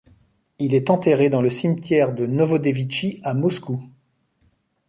Il est enterré dans le cimetière de Novodevitchi à Moscou.